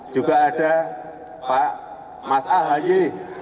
juga ada pak mas ahy